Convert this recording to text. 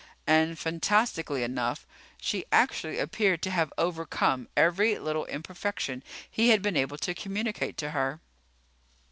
And, fantastically enough, she actually appeared to have overcome every little imperfection he had been able to communicate to her.